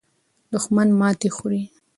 دښمن ماته خوري.